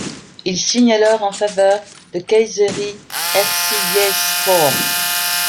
Il signe alors en faveur de Kayseri Erciyesspor.